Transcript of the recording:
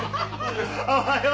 おはよう！